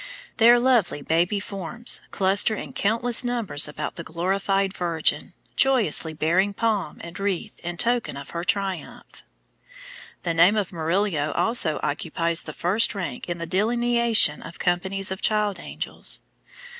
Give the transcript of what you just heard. Their lovely baby forms cluster in countless numbers about the glorified Virgin, joyously bearing palm and wreath in token of her triumph. The name of Murillo also occupies the first rank in the delineation of companies of child angels.